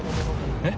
えっ？